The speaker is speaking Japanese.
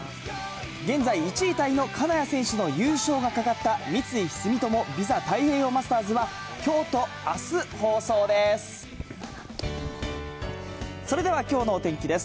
現在、１位タイの金谷選手の優勝がかかった、三井住友ＶＩＳＡ太平洋マスターズは、きょうとあす放送です。